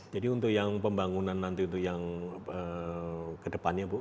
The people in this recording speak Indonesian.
jadi untuk yang pembangunan nanti untuk yang kedepannya bu